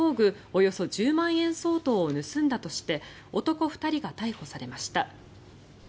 およそ１０万円相当を盗んだとして男２人が逮捕されました。